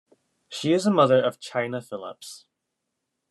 She is the mother of Chynna Phillips.